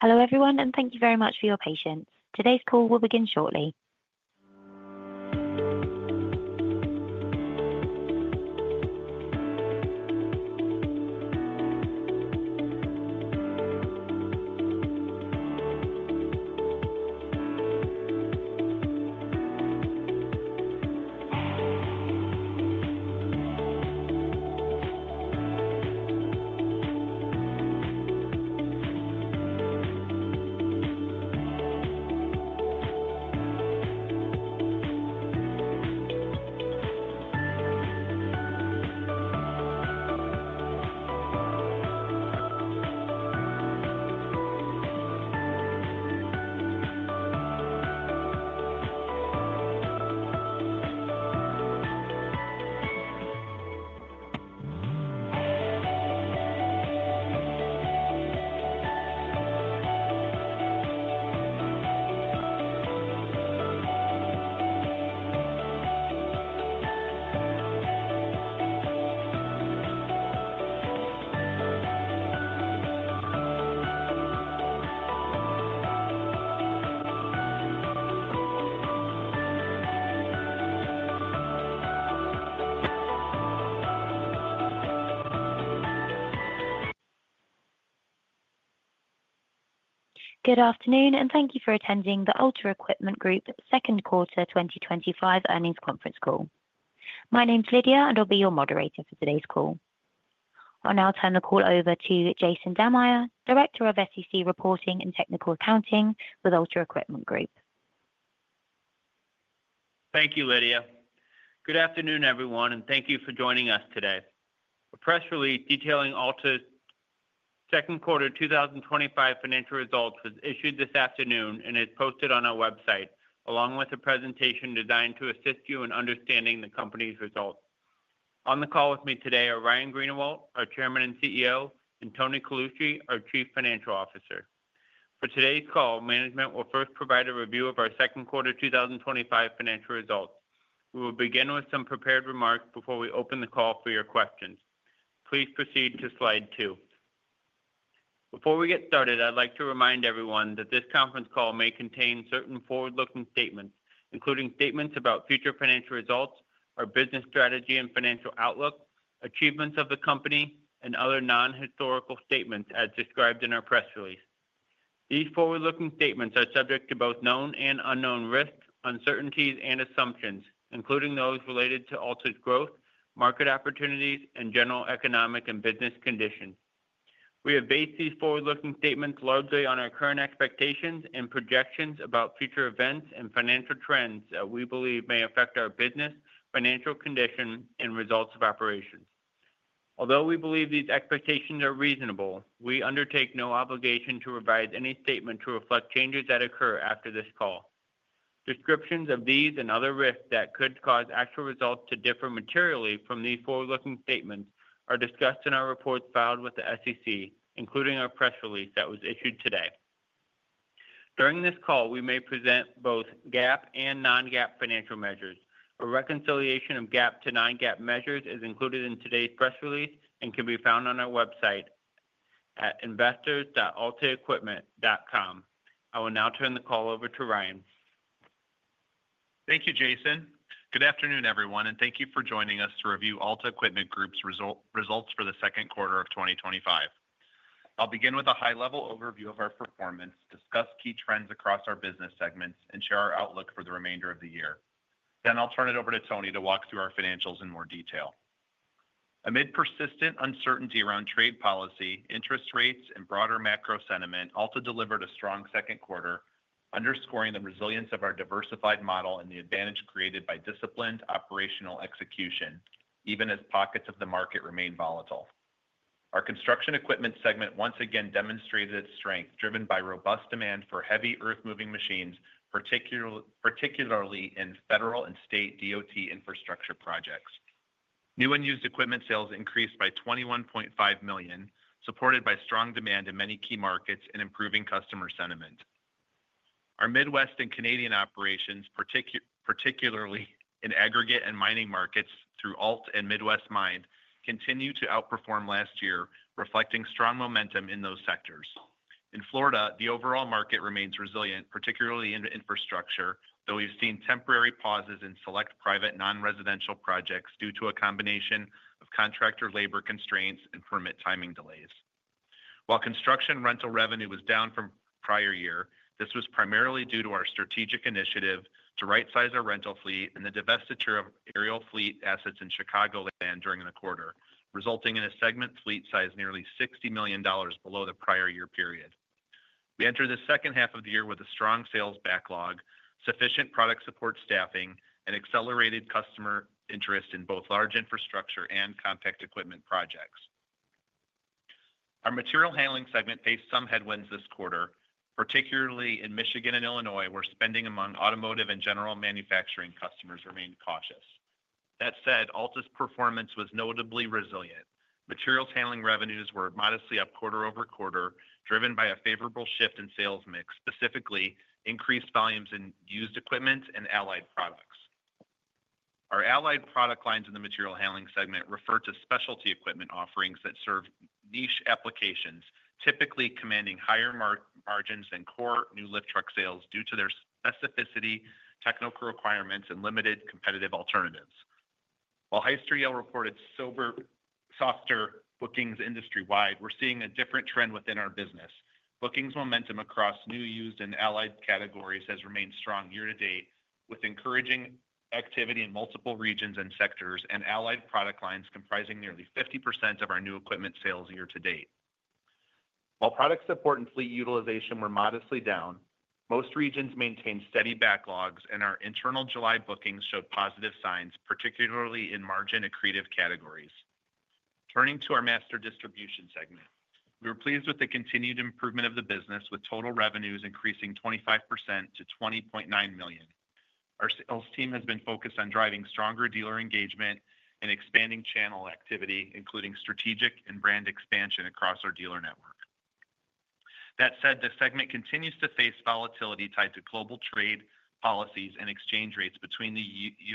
Hello everyone, and thank you very much for your patience. Today's call will begin shortly. Good afternoon, and thank you for attending the Alta Equipment Group's Second Quarter 2025 Earnings Conference Call. My name is Lydia, and I'll be your moderator for today's call. I'll now turn the call over to Jason Dammeyer, Director of SEC Reporting and Technical Accounting with Alta Equipment Group. Thank you, Lydia. Good afternoon, everyone, and thank you for joining us today. A press release detailing Alta's Second Quarter 2025 Financial Results was issued this afternoon and is posted on our website, along with a presentation designed to assist you in understanding the company's results. On the call with me today are Ryan Greenawalt, our Chairman and CEO, and Tony Colucci, our Chief Financial Officer. For today's call, management will first provide a review of our second quarter 2025 financial results. We will begin with some prepared remarks before we open the call for your questions. Please proceed to slide two. Before we get started, I'd like to remind everyone that this conference call may contain certain forward-looking statements, including statements about future financial results, our business strategy and financial outlook, achievements of the company, and other non-historical statements as described in our press release. These forward-looking statements are subject to both known and unknown risks, uncertainties, and assumptions, including those related to Alta's growth, market opportunities, and general economic and business conditions. We have based these forward-looking statements largely on our current expectations and projections about future events and financial trends that we believe may affect our business, financial condition, and results of operations. Although we believe these expectations are reasonable, we undertake no obligation to revise any statement to reflect changes that occur after this call. Descriptions of these and other risks that could cause actual results to differ materially from these forward-looking statements are discussed in our reports filed with the SEC, including our press release that was issued today. During this call, we may present both GAAP and non-GAAP financial measures. A reconciliation of GAAP to non-GAAP measures is included in today's press release and can be found on our website at investors.altaequipment.com. I will now turn the call over to Ryan. Thank you, Jason. Good afternoon, everyone, and thank you for joining us to review Alta Equipment Group's results for the second quarter of 2025. I'll begin with a high-level overview of our performance, discuss key trends across our business segments, and share our outlook for the remainder of the year. I'll turn it over to Tony to walk through our financials in more detail. Amid persistent uncertainty around trade policy, interest rates, and broader macro sentiment, Alta delivered a strong second quarter, underscoring the resilience of our diversified model and the advantage created by disciplined operational execution, even as pockets of the market remain volatile. Our construction equipment segment once again demonstrated its strength, driven by robust demand for heavy earth-moving machines, particularly in federal and state DOT infrastructure projects. New and used equipment sales increased by $21.5 million, supported by strong demand in many key markets and improving customer sentiment. Our Midwest and Canadian operations, particularly in aggregate and mining markets through Alta and Midwest Mine, continue to outperform last year, reflecting strong momentum in those sectors. In Florida, the overall market remains resilient, particularly in infrastructure, though we've seen temporary pauses in select private non-residential projects due to a combination of contractor labor constraints and permit timing delays. While construction rental revenue was down from the prior year, this was primarily due to our strategic initiative to right-size our rental fleet and the divestiture of aerial fleet assets in Chicagoland during the quarter, resulting in a segment fleet size nearly $60 million below the prior year period. We entered the second half of the year with a strong sales backlog, sufficient product support staffing, and accelerated customer interest in both large infrastructure and compact equipment projects. Our material handling segment faced some headwinds this quarter, particularly in Michigan and Illinois, where spending among automotive and general manufacturing customers remained cautious. That said, Alta's performance was notably resilient. Material handling revenues were modestly up quarter-over-quarter, driven by a favorable shift in sales mix, specifically increased volumes in used equipment and allied products. Our allied product lines in the material handling segment refer to specialty equipment offerings that serve niche applications, typically commanding higher margins than core new lift truck sales due to their specificity, technical requirements, and limited competitive alternatives. While Hyster-Yale reported softer bookings industry-wide, we're seeing a different trend within our business. Bookings momentum across new, used, and allied categories has remained strong year to date, with encouraging activity in multiple regions and sectors, and allied product lines comprising nearly 50% of our new equipment sales year to date. While product support and fleet utilization were modestly down, most regions maintained steady backlogs, and our internal July bookings showed positive signs, particularly in margin accretive categories. Turning to our master distribution segment, we were pleased with the continued improvement of the business, with total revenues increasing 25% to $20.9 million. Our sales team has been focused on driving stronger dealer engagement and expanding channel activity, including strategic and brand expansion across our dealer network. That said, the segment continues to face volatility tied to global trade policies and exchange rates between the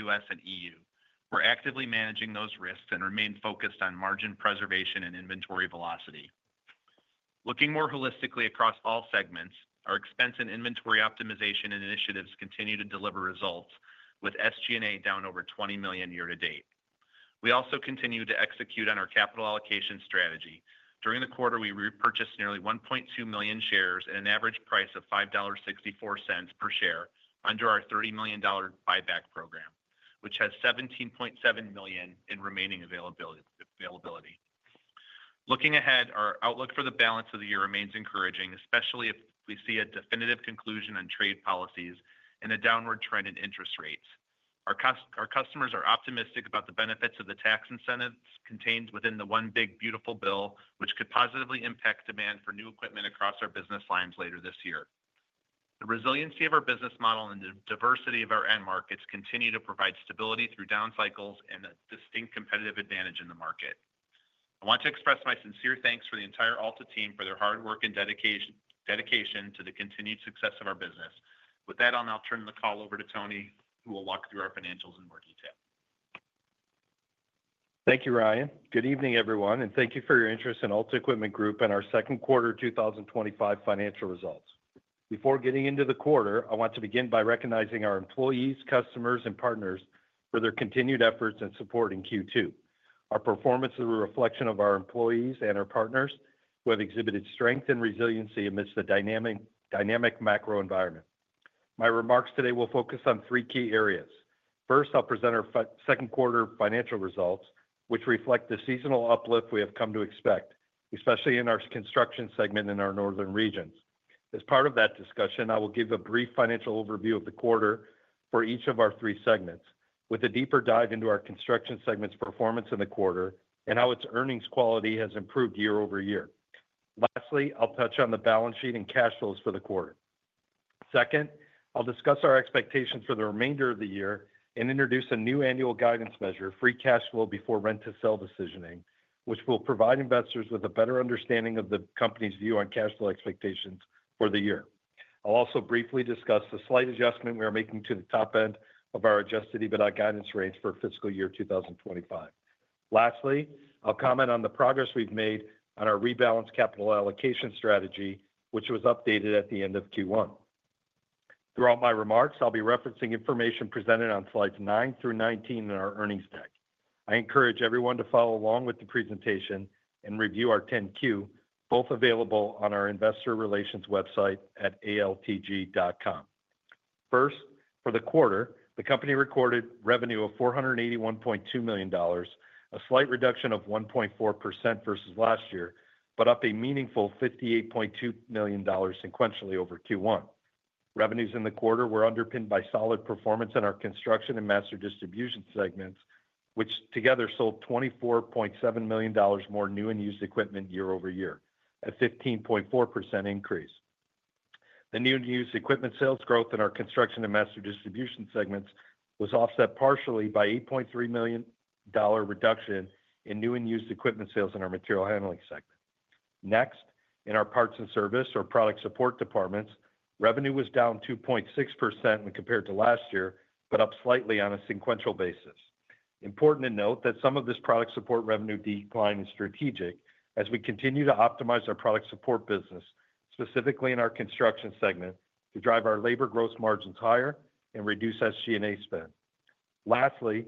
U.S. and EU. We're actively managing those risks and remain focused on margin preservation and inventory velocity. Looking more holistically across all segments, our expense and inventory optimization initiatives continue to deliver results, with SG&A down over $20 million year to date. We also continue to execute on our capital allocation strategy. During the quarter, we repurchased nearly $1.2 million shares at an average price of $5.64 per share under our $30 million buyback program, which has $17.7 million in remaining availability. Looking ahead, our outlook for the balance of the year remains encouraging, especially if we see a definitive conclusion on trade policies and a downward trend in interest rates. Our customers are optimistic about the benefits of the tax incentives contained within the One Big Beautiful Bill, which could positively impact demand for new equipment across our business lines later this year. The resiliency of our business model and the diversity of our end markets continue to provide stability through down cycles and a distinct competitive advantage in the market. I want to express my sincere thanks for the entire Alta team for their hard work and dedication to the continued success of our business. With that, I'll now turn the call over to Tony, who will walk through our financials in more detail. Thank you, Ryan. Good evening, everyone, and thank you for your interest in Alta Equipment Group and our second quarter 2025 financial results. Before getting into the quarter, I want to begin by recognizing our employees, customers, and partners for their continued efforts and support in Q2. Our performance is a reflection of our employees and our partners, who have exhibited strength and resiliency amidst the dynamic macro environment. My remarks today will focus on three key areas. First, I'll present our second quarter financial results, which reflect the seasonal uplift we have come to expect, especially in our construction segment in our northern regions. As part of that discussion, I will give a brief financial overview of the quarter for each of our three segments, with a deeper dive into our construction segment's performance in the quarter and how its earnings quality has improved year-over-year. Lastly, I'll touch on the balance sheet and cash flows for the quarter. Second, I'll discuss our expectations for the remainder of the year and introduce a new annual guidance measure, free cash flow before rent-to-sell decisioning, which will provide investors with a better understanding of the company's view on cash flow expectations for the year. I'll also briefly discuss the slight adjustment we are making to the top end of our adjusted EBITDA guidance rates for fiscal year 2025. Lastly, I'll comment on the progress we've made on our rebalanced capital allocation strategy, which was updated at the end of Q1. Throughout my remarks, I'll be referencing information presented on slides nine through 19 in our earnings deck. I encourage everyone to follow along with the presentation and review our 10-Q, both available on our investor relations website at altg.com. First, for the quarter, the company recorded revenue of $481.2 million, a slight reduction of 1.4% versus last year, but up a meaningful $58.2 million sequentially over Q1. Revenues in the quarter were underpinned by solid performance in our construction and master distribution segments, which together sold $24.7 million more new and used equipment year-over-year, a 15.4% increase. The new and used equipment sales growth in our construction and master distribution segments was offset partially by an $8.3 million reduction in new and used equipment sales in our material handling segment. Next, in our parts and service or product support departments, revenue was down 2.6% when compared to last year, but up slightly on a sequential basis. Important to note that some of this product support revenue decline is strategic as we continue to optimize our product support business, specifically in our construction segment, to drive our labor gross margins higher and reduce SG&A spend. Lastly,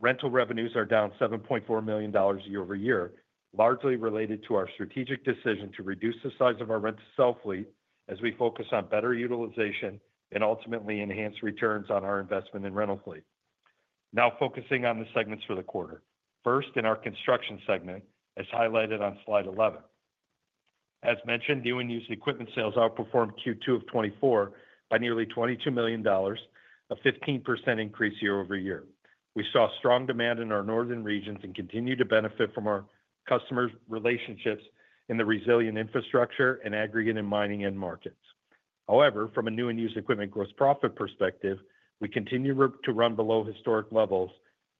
rental revenues are down $7.4 million year-over-year, largely related to our strategic decision to reduce the size of our rent-to-sell fleet as we focus on better utilization and ultimately enhance returns on our investment in rental fleet. Now focusing on the segments for the quarter. First, in our construction segment, as highlighted on slide 11. As mentioned, new and used equipment sales outperformed Q2 of 2024 by nearly $22 million, a 15% increase year-over-year. We saw strong demand in our northern regions and continue to benefit from our customer relationships in the resilient infrastructure and aggregate and mining end markets. However, from a new and used equipment gross profit perspective, we continue to run below historic levels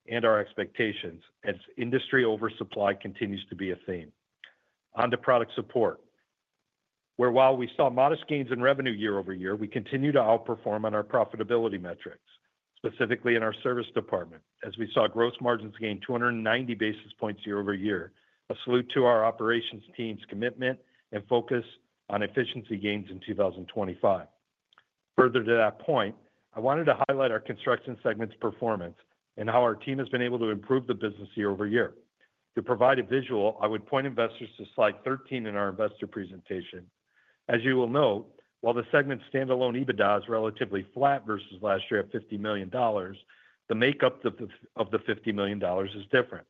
and our expectations as industry oversupply continues to be a theme. On to product support, where while we saw modest gains in revenue year-over-year, we continue to outperform on our profitability metrics, specifically in our service department, as we saw gross margins gain 290 basis points year-over-year, a salute to our operations team's commitment and focus on efficiency gains in 2025. Further to that point, I wanted to highlight our construction segment's performance and how our team has been able to improve the business year-over-year. To provide a visual, I would point investors to slide 13 in our investor presentation. As you will note, while the segment's standalone EBITDA is relatively flat versus last year at $50 million, the makeup of the $50 million is different.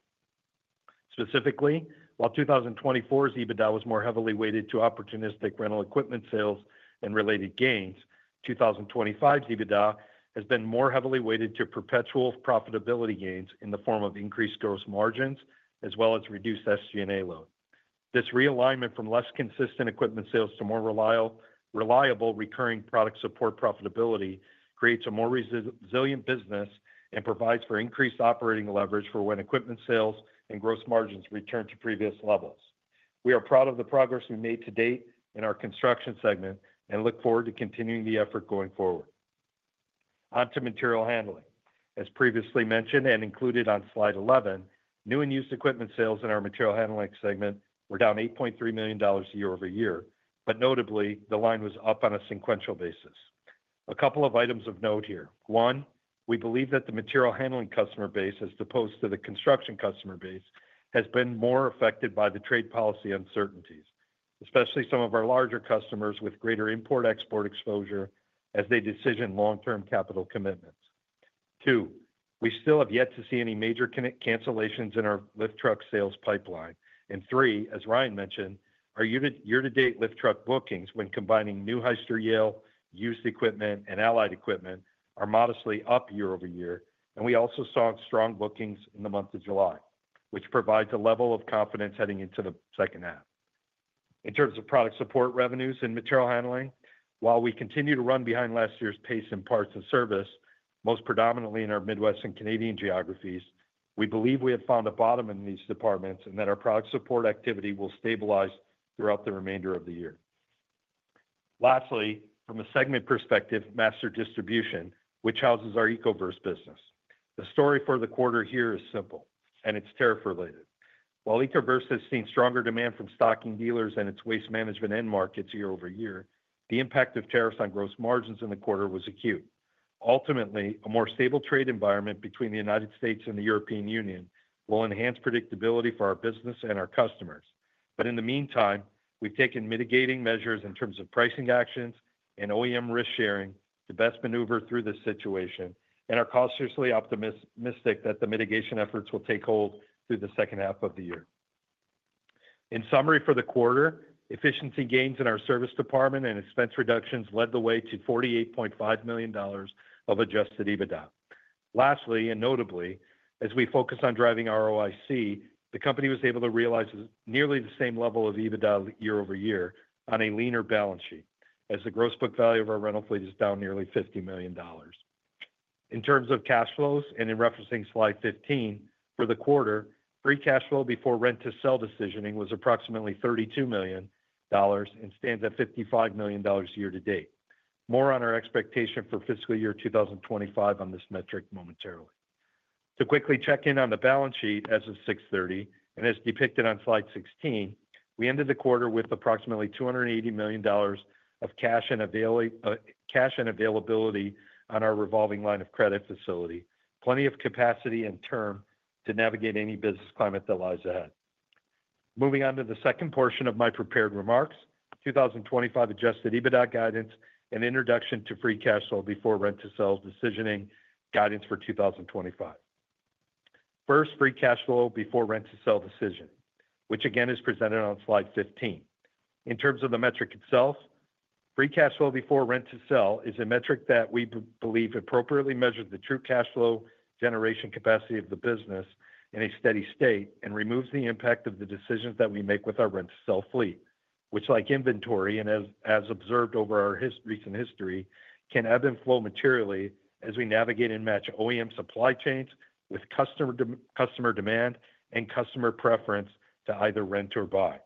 Specifically, while 2024's EBITDA was more heavily weighted to opportunistic rental equipment sales and related gains, 2025's EBITDA has been more heavily weighted to perpetual profitability gains in the form of increased gross margins as well as reduced SG&A load. This realignment from less consistent equipment sales to more reliable recurring product support profitability creates a more resilient business and provides for increased operating leverage for when equipment sales and gross margins return to previous levels. We are proud of the progress we made to date in our construction segment and look forward to continuing the effort going forward. On to material handling. As previously mentioned and included on slide 11, new and used equipment sales in our material handling segment were down $8.3 million year-over-year, but notably, the line was up on a sequential basis. A couple of items of note here. One, we believe that the material handling customer base, as opposed to the construction customer base, has been more affected by the trade policy uncertainties, especially some of our larger customers with greater import-export exposure as they decision long-term capital commitments. Two, we still have yet to see any major cancellations in our lift truck sales pipeline. Three, as Ryan mentioned, our year-to-date lift truck bookings, when combining new Hyster-ale, used equipment, and allied equipment, are modestly up year-over-year. We also saw strong bookings in the month of July, which provides a level of confidence heading into the second half. In terms of product support revenues and material handling, while we continue to run behind last year's pace in parts and service, most predominantly in our Midwest and Canadian geographies, we believe we have found a bottom in these departments and that our product support activity will stabilize throughout the remainder of the year. Lastly, from a segment perspective, master distribution, which houses our Ecoverse business. The story for the quarter here is simple, and it's tariff-related. While Ecoverse has seen stronger demand from stocking dealers and its waste management end markets year-over-year, the impact of tariffs on gross margins in the quarter was acute. Ultimately, a more stable trade environment between the United States and the European Union will enhance predictability for our business and our customers. In the meantime, we've taken mitigating measures in terms of pricing actions and OEM risk sharing to best maneuver through this situation, and are cautiously optimistic that the mitigation efforts will take hold through the second half of the year. In summary, for the quarter, efficiency gains in our service department and expense reductions led the way to $48.5 million of adjusted EBITDA. Lastly, and notably, as we focus on driving ROIC, the company was able to realize nearly the same level of EBITDA year-over-year on a leaner balance sheet, as the gross book value of our rental fleet is down nearly $50 million. In terms of cash flows, and in referencing slide 15 for the quarter, free cash flow before rent-to-sell decisioning was approximately $32 million and stands at $55 million year to date. More on our expectation for fiscal year 2025 on this metric momentarily. To quickly check in on the balance sheet, as of 6/30, and as depicted on slide 16, we ended the quarter with approximately $280 million of cash and availability on our revolving line of credit facility, plenty of capacity and term to navigate any business climate that lies ahead. Moving on to the second portion of my prepared remarks, 2025 adjusted EBITDA guidance and introduction to free cash flow before rent-to-sell decisioning guidance for 2025. First, free cash flow before rent-to-sell decision, which again is presented on slide 15. In terms of the metric itself, free cash flow before rent-to-sell is a metric that we believe appropriately measures the true cash flow generation capacity of the business in a steady state and removes the impact of the decisions that we make with our rent-to-sell fleet, which, like inventory and as observed over our recent history, can ebb and flow materially as we navigate and match OEM supply chains with customer demand and customer preference to either rent or buy.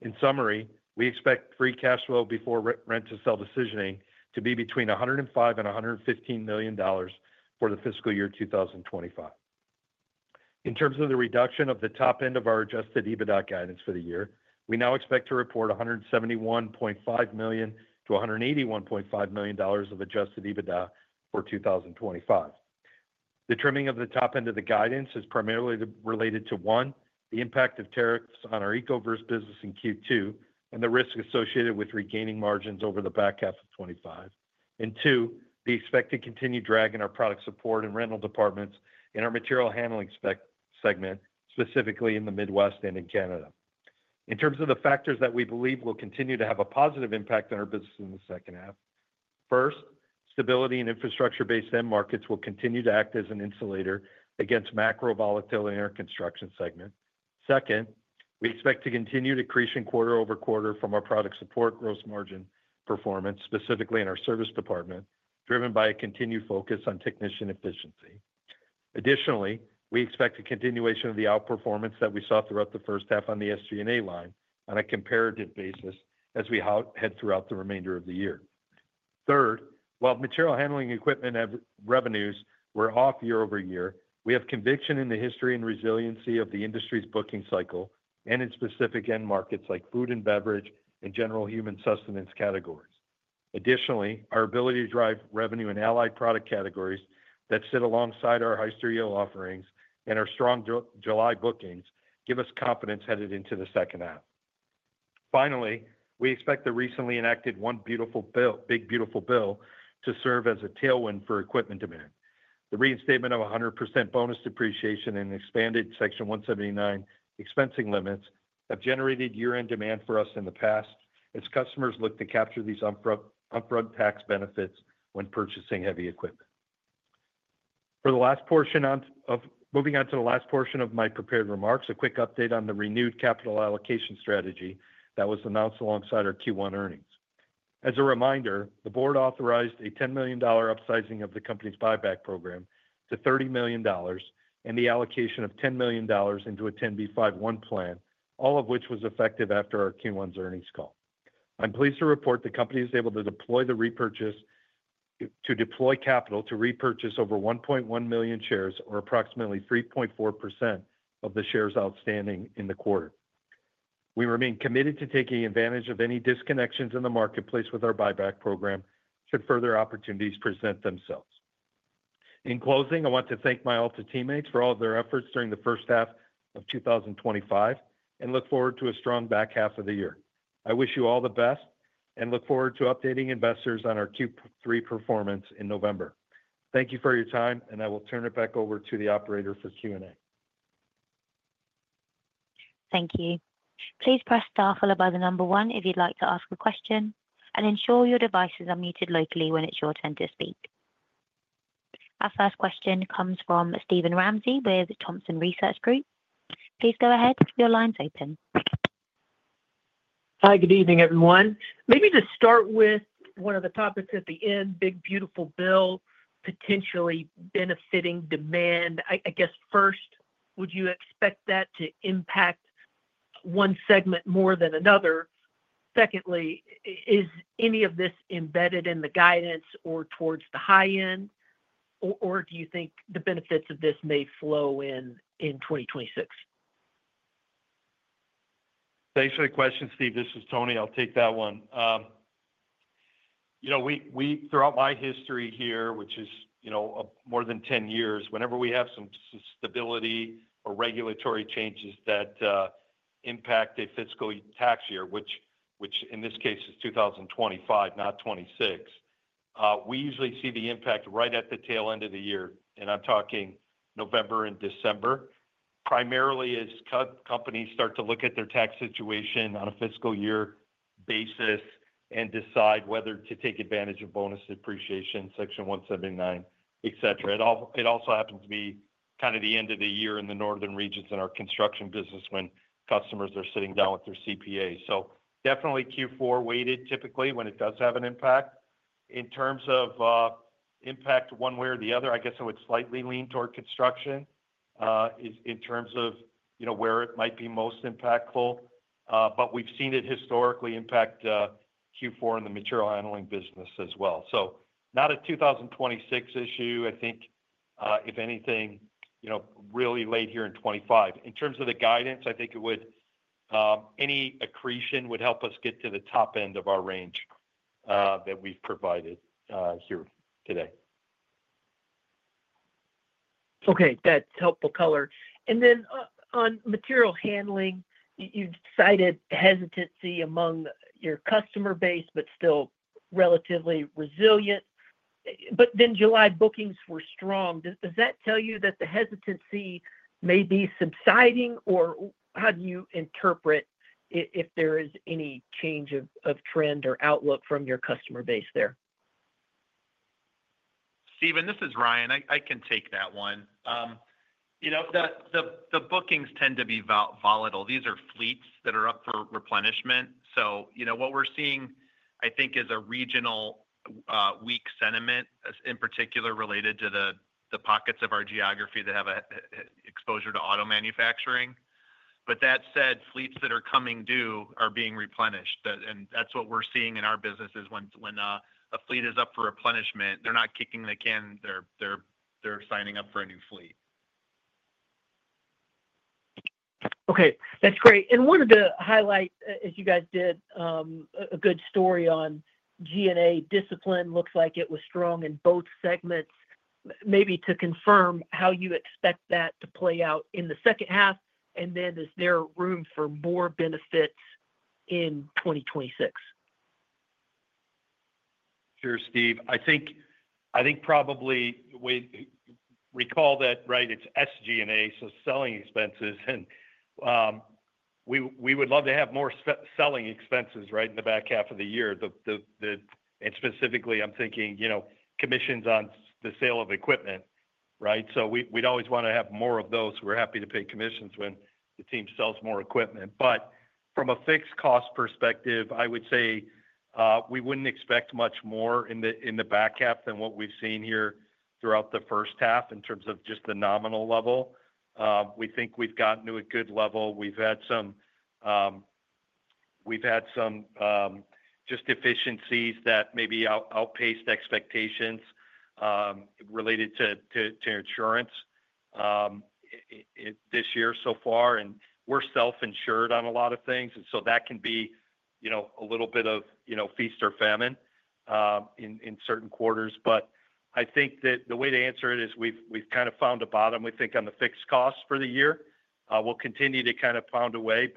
In summary, we expect free cash flow before rent-to-sell decisioning to be between $105 million and $115 million for the fiscal year 2025. In terms of the reduction of the top end of our adjusted EBITDA guidance for the year, we now expect to report $171.5 million-$181.5 million of adjusted EBITDA for 2025. The trimming of the top end of the guidance is primarily related to, one, the impact of tariffs on our Ecoverse business in Q2 and the risk associated with regaining margins over the back half of 2025, and two, the expected continued drag in our product support and rental departments in our material handling segment, specifically in the Midwest and in Canada. In terms of the factors that we believe will continue to have a positive impact on our business in the second half, first, stability in infrastructure-based end markets will continue to act as an insulator against macro volatility in our construction segment. Second, we expect to continue to creep in quarter-over-quarter from our product support gross margin performance, specifically in our service department, driven by a continued focus on technician efficiency. Additionally, we expect a continuation of the outperformance that we saw throughout the first half on the SG&A line on a comparative basis as we head throughout the remainder of the year. Third, while material handling equipment revenues were off year-over-year, we have conviction in the history and resiliency of the industry's booking cycle and in specific end markets like food and beverage and general human sustenance categories. Additionally, our ability to drive revenue in allied product categories that sit alongside our Hyster-Yale offerings and our strong July bookings give us confidence headed into the second half. Finally, we expect the recently enacted One Big Beautiful Bill to serve as a tailwind for equipment demand. The reinstatement of 100% bonus depreciation and expanded section 179 expensing limits have generated year-end demand for us in the past, as customers look to capture these upfront tax benefits when purchasing heavy equipment. Moving on to the last portion of my prepared remarks, a quick update on the renewed capital allocation strategy that was announced alongside our Q1 Earnings. As a reminder, the board authorized a $10 million upsizing of the company's buyback program to $30 million and the allocation of $10 million into a 10b5-1 plan, all of which was effective after our Q1 earnings c$all. I'm pleased to report the company is able to deploy capital to repurchase over $1.1 million shares, or approximately 3.4% of the shares outstanding in the quarter. We remain committed to taking advantage of any disconnections in the marketplace with our buyback program should further opportunities present themselves. In closing, I want to thank my Alta teammates for all of their efforts during the first half of 2025 and look forward to a strong back half of the year. I wish you all the best and look forward to updating investors on our Q3 performance in November. Thank you for your time, and I will turn it back over to the operator for Q&A. Thank you. Please press star followed by the number one if you'd like to ask a question, and ensure your devices are muted locally when it's your turn to speak. Our first question comes from Steven Ramsey with Thompson Research Group. Please go ahead. Your line's open. Hi, good evening, everyone. Maybe to start with one of the topics at the end, Big Beautiful Bill, potentially benefiting demand. I guess first, would you expect that to impact one segment more than another? Secondly, is any of this embedded in the guidance or towards the high end, or do you think the benefits of this may flow in in 2026? Thanks for the question, Steve. This is Tony. I'll take that one. Throughout my history here, which is more than 10 years, whenever we have some stability or regulatory changes that impact a fiscal tax year, which in this case is 2025, not 2026, we usually see the impact right at the tail end of the year. I'm talking November and December, primarily as companies start to look at their tax situation on a fiscal year basis and decide whether to take advantage of bonus depreciation, Section 179, et cetera. It also happens to be kind of the end of the year in the northern regions in our construction business when customers are sitting down with their CPA. Definitely Q4 weighted typically when it does have an impact. In terms of impact one way or the other, I guess I would slightly lean toward construction in terms of where it might be most impactful. We've seen it historically impact Q4 in the material handling business as well. Not a 2026 issue. I think, if anything, really late here in 2025. In terms of the guidance, I think any accretion would help us get to the top end of our range that we've provided here today. Okay, that's helpful color. On material handling, you've cited hesitancy among your customer base, but still relatively resilient. July bookings were strong. Does that tell you that the hesitancy may be subsiding, or how do you interpret it if there is any change of trend or outlook from your customer base there? Steven, this is Ryan. I can take that one. The bookings tend to be volatile. These are fleets that are up for replenishment. What we're seeing, I think, is a regional, weak sentiment, in particular related to the pockets of our geography that have exposure to auto manufacturing. That said, fleets that are coming due are being replenished. That's what we're seeing in our businesses when a fleet is up for replenishment. They're not kicking the can. They're signing up for a new fleet. Okay, that's great. I wanted to highlight, as you guys did, a good story on G&A. Discipline looks like it was strong in both segments. Maybe to confirm how you expect that to play out in the second half, and then is there room for more benefits in 2026? Sure, Steve. I think you probably recall that, right? It's SG&A, so selling expenses. We would love to have more selling expenses in the back half of the year. Specifically, I'm thinking commissions on the sale of equipment, right? We'd always want to have more of those. We're happy to pay commissions when the team sells more equipment. From a fixed cost perspective, I would say we wouldn't expect much more in the back half than what we've seen here throughout the first half in terms of just the nominal level. We think we've gotten to a good level. We've had some efficiencies that maybe outpaced expectations related to insurance this year so far. We're self-insured on a lot of things, so that can be a little bit of feast or famine in certain quarters. I think the way to answer it is we've kind of found a bottom, we think, on the fixed costs for the year. We'll continue to kind of pound away.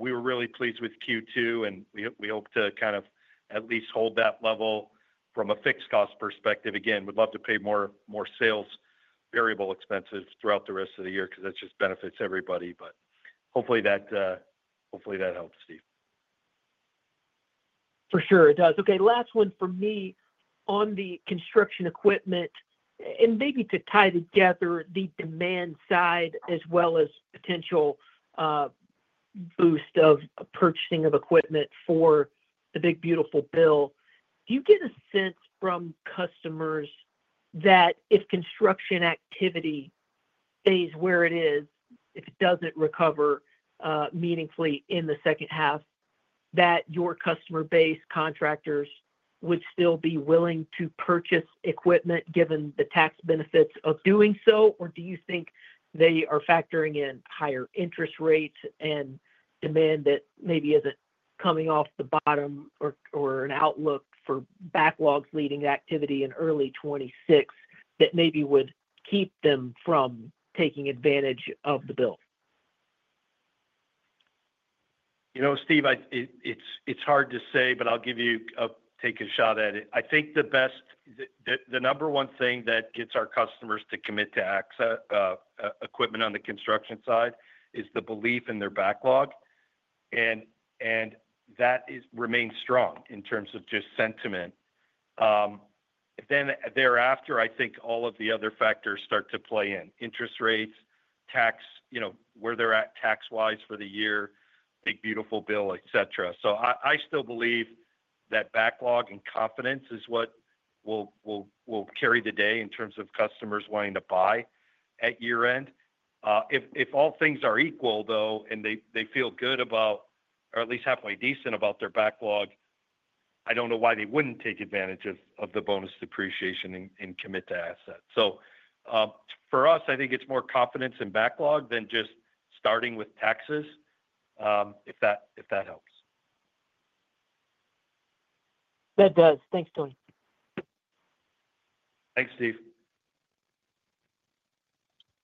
We were really pleased with Q2, and we hope to at least hold that level from a fixed cost perspective. Again, we'd love to pay more sales variable expenses throughout the rest of the year because that just benefits everybody. Hopefully that helps, Steve. For sure, it does. Okay, last one from me on the construction equipment and maybe to tie together the demand side as well as potential boost of purchasing of equipment for the Big Beautiful Bill. Do you get a sense from customers that if construction activity stays where it is, if it doesn't recover meaningfully in the second half, that your customer base, contractors, would still be willing to purchase equipment given the tax benefits of doing so? Do you think they are factoring in higher interest rates and demand that maybe isn't coming off the bottom or an outlook for backlogs leading to activity in early 2026 that maybe would keep them from taking advantage of the Bill? Steve, it's hard to say, but I'll give you a shot at it. I think the best, the number one thing that gets our customers to commit to access equipment on the construction side is the belief in their backlog, and that remains strong in terms of just sentiment. Thereafter, I think all of the other factors start to play in: interest rates, tax, where they're at tax-wise for the year, Big Beautiful Bill, et cetera. I still believe that backlog and confidence is what will carry the day in terms of customers wanting to buy at year-end. If all things are equal, though, and they feel good about, or at least halfway decent about their backlog, I don't know why they wouldn't take advantage of the bonus depreciation and commit to assets. For us, I think it's more confidence in backlog than just starting with taxes, if that helps. That does. Thanks, Tony. Thanks, Steve.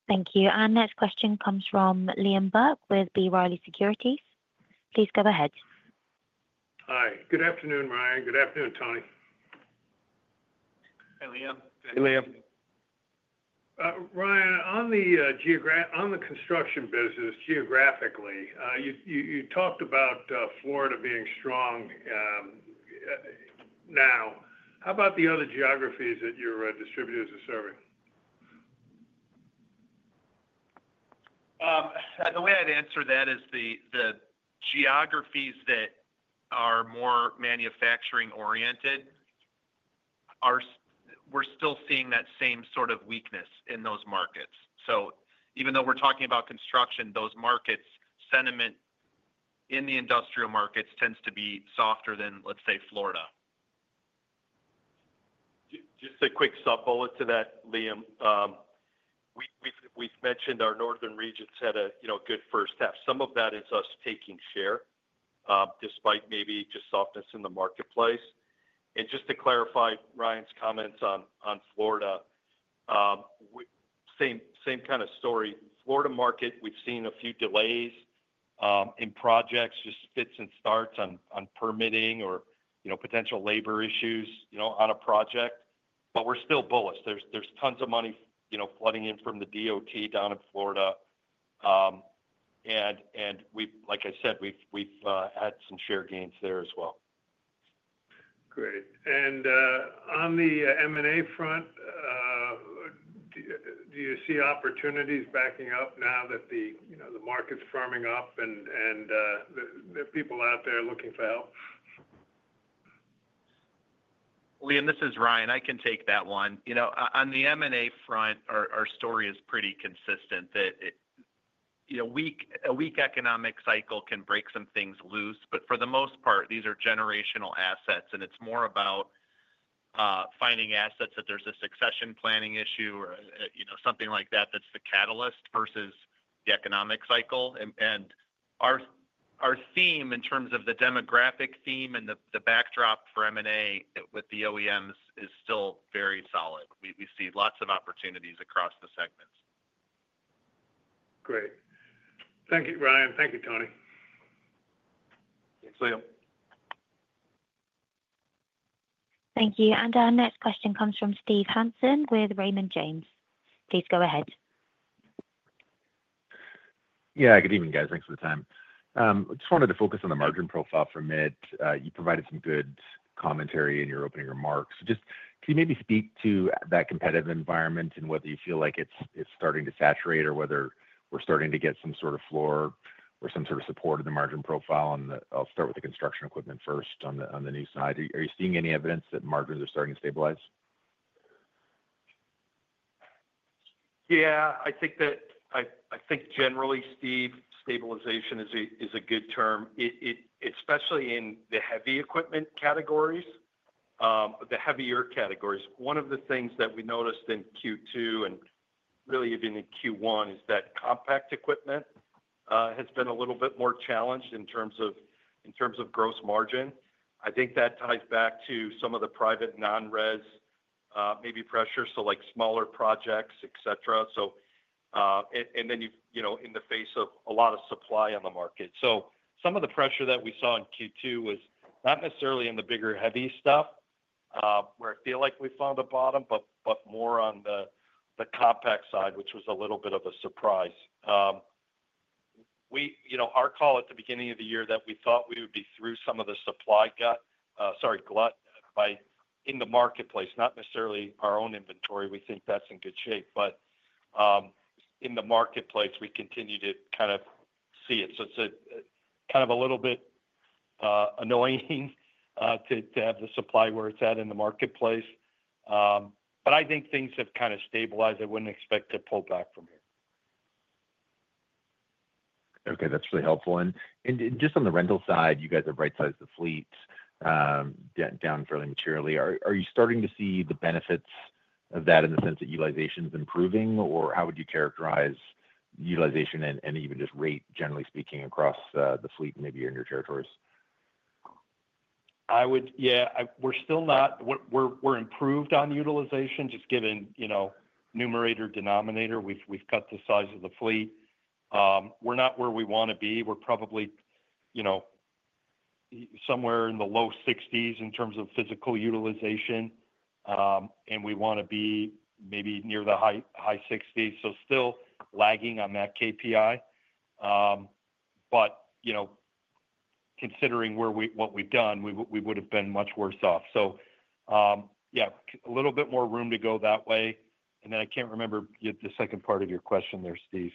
Thank you. Our next question comes from Liam Burke with B. Riley Securities. Please go ahead. Hi. Good afternoon, Ryan. Good afternoon, Tony. Hi, Liam. Hi, Liam. Ryan, on the construction business, geographically, you talked about Florida being strong now. How about the other geographies that your distributors are serving? The way I'd answer that is the geographies that are more manufacturing-oriented, we're still seeing that same sort of weakness in those markets. Even though we're talking about construction, those markets, sentiment in the industrial markets tends to be softer than, let's say, Florida. Just a quick sub-bullet to that, Liam. We've mentioned our northern regions had a good first half. Some of that is us taking share, despite maybe just softness in the marketplace. Just to clarify Ryan's comments on Florida, same kind of story. Florida market, we've seen a few delays in projects, just fits and starts on permitting or potential labor issues on a project. We're still bullish. There's tons of money flooding in from the DOT down in Florida, and like I said, we've had some share gains there as well. Great. On the M&A front, do you see opportunities backing up now that the market's firming up and the people out there are looking for help? Liam, this is Ryan. I can take that one. On the M&A front, our story is pretty consistent that a weak economic cycle can break some things loose, but for the most part, these are generational assets, and it's more about finding assets that there's a succession planning issue or something like that that's the catalyst versus the economic cycle. Our theme in terms of the demographic theme and the backdrop for M&A with the OEMs is still very solid. We see lots of opportunities across the segments. Great. Thank you, Ryan. Thank you, Tony. Thanks, Liam. Thank you. Our next question comes from Steve Hansen with Raymond James. Please go ahead. Yeah, good evening, guys. Thanks for the time. I just wanted to focus on the margin profile for MIT. You provided some good commentary in your opening remarks Can you maybe speak to that competitive environment and whether you feel like it's starting to saturate or whether we're starting to get some sort of floor or some sort of support in the margin profile and I'll start with the construction equipment first on the new side. Are you seeing any evidence that margins are starting to stabilize? Yeah, I think generally, Steve, stabilization is a good term, especially in the heavy equipment categories, the heavier categories. One of the things that we noticed in Q2 and really even in Q1 is that compact equipment has been a little bit more challenged in terms of gross margin. I think that ties back to some of the private non-res, maybe pressure, so like smaller projects, et cetera. In the face of a lot of supply on the market, some of the pressure that we saw in Q2 was not necessarily in the bigger heavy stuff, where I feel like we found a bottom, but more on the compact side, which was a little bit of a surprise. Our call at the beginning of the year was that we thought we would be through some of the supply glut in the marketplace, not necessarily our own inventory. We think that's in good shape. In the marketplace, we continue to kind of see it. It's a little bit annoying to have the supply where it's at in the marketplace, but I think things have kind of stabilized. I wouldn't expect a pullback from here. Okay, that's really helpful. Just on the rental side, you guys have right-sized the fleets, down fairly materially. Are you starting to see the benefits of that in the sense that utilization is improving, or how would you characterize utilization and even just rate, generally speaking, across the fleet and maybe your territories? Yeah, we're still not, we're improved on utilization, just given, you know, numerator, denominator. We've cut the size of the fleet. We're not where we want to be. We're probably, you know, somewhere in the low 60s in terms of physical utilization, and we want to be maybe near the high 60s. Still lagging on that KPI, but, you know, considering what we've done, we would have been much worse off. Yeah, a little bit more room to go that way. I can't remember the second part of your question there, Steve.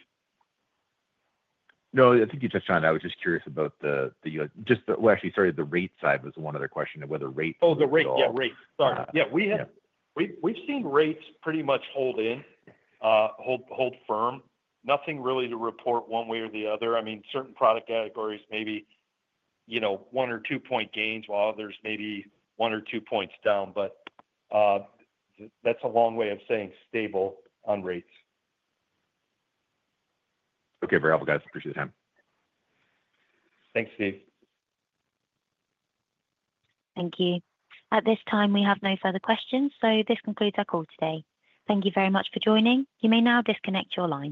No, I think you touched on it. I was just curious about the rate side. Was one other question of whether rate. Oh, the rate, yeah, rate. Sorry. We've seen rates pretty much hold firm. Nothing really to report one way or the other. I mean, certain product categories maybe, you know, one or two point gains, while others may be one or two points down. That's a long way of saying stable on rates. Okay, very helpful, guys. Appreciate your time. Thanks, Steve. Thank you. At this time, we have no further questions, so this concludes our call today. Thank you very much for joining. You may now disconnect your line.